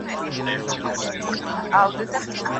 په جنت کي مي ساتلی بیرغ غواړم